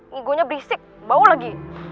ngigonya berisik bau lagi